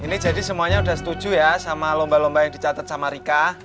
ini jadi semuanya sudah setuju ya sama lomba lomba yang dicatat sama rika